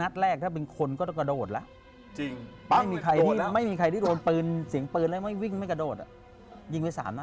โดนครับผมว่าโดน